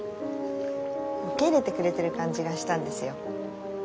受け入れてくれてる感じがしたんですよ。